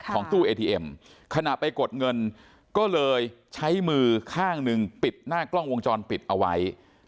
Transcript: ตู้เอทีเอ็มขณะไปกดเงินก็เลยใช้มือข้างหนึ่งปิดหน้ากล้องวงจรปิดเอาไว้